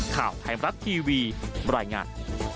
ข่าวแห่งรักทีวีหลายงาน